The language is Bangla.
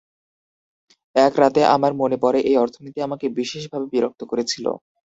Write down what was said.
এক রাতে, আমার মনে পড়ে এই অর্থনীতি আমাকে বিশেষভাবে বিরক্ত করেছিল।